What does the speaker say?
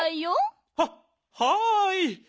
はっはい。